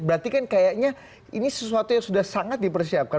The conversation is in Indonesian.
berarti kan kayaknya ini sesuatu yang sudah sangat dipersiapkan